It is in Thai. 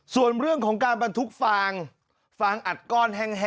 ส่วนเรื่องของการบรรทุกฟางฟางอัดก้อนแห้ง